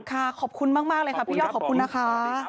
ค่าขอบคุณมากเลยครับพี่ย่อขอบคุณนะคะ